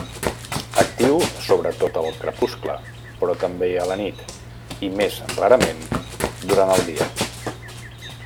Actiu sobretot al crepuscle, però també a la nit i, més rarament, durant el dia.